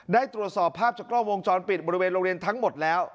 ได้ตรวจสอบภาพจากกล้องวงจรปิดบริเวณโรงเรียนทั้งหมดแล้ว